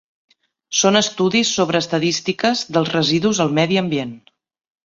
Són estudis sobre estadístiques dels residus al medi ambient.